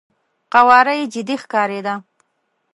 قواره يې جدي ښکارېده.